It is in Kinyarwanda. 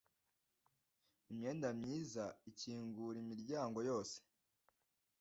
imyenda myiza ikingura imiryango yose.